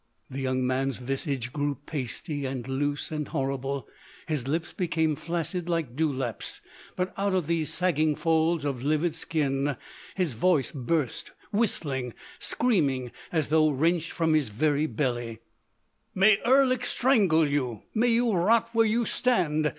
The young man's visage grew pasty and loose and horrible; his lips became flaccid like dewlaps; but out of these sagging folds of livid skin his voice burst whistling, screaming, as though wrenched from his very belly: "May Erlik strangle you! May you rot where you stand!